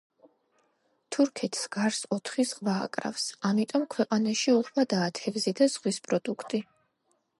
თურქეთს გარს ოთხი ზღვა აკრავს, ამიტომ ქვეყანაში უხვადაა თევზი და ზღვის პროდუქტი.